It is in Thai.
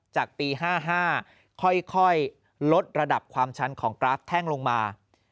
จากปี๕๕ค่อยลดระดับความชันของกราฟแท่งลงมา